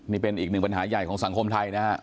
นี่เป็นอีกหนึ่งปัญหาใหญ่ของสังคมไทยนะฮะ